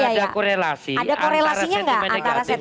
ada korelasi antara sentimen negatif